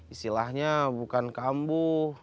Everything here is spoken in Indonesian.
isilahnya bukan kambu